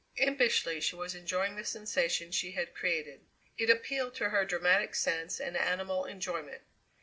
Impishly she was enjoying the sensation she had created. It appealed to her dramatic sense and animal enjoyment.